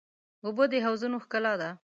اوبه د حوضونو ښکلا ده.